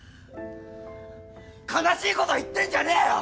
悲しいこと言ってんじゃねえよ！